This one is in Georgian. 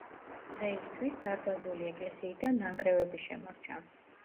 დღეისთვის დარბაზული ეკლესიიდან ნანგრევები შემორჩა.